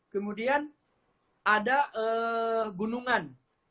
kemudian ada gunungan